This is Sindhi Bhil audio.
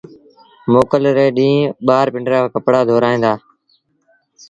موڪل ري ڏيٚݩهݩ ٻآر پنڊرآ ڪپڙآ ڌورائيٚݩ دآ۔